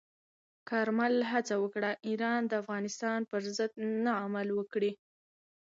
کارمل هڅه وکړه، ایران د افغانستان پر ضد نه عمل وکړي.